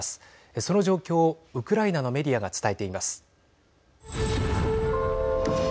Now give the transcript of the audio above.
その状況をウクライナのメディアが伝えています。